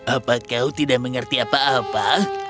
apa kau tidak mengerti apa apa